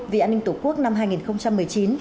vì an ninh tổ quốc năm hai nghìn một mươi chín